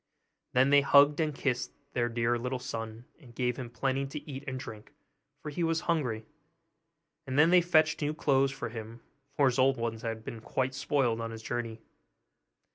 Then they hugged and kissed their dear little son, and gave him plenty to eat and drink, for he was very hungry; and then they fetched new clothes for him, for his old ones had been quite spoiled on his journey.